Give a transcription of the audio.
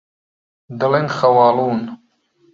دەڵێن خەواڵوون.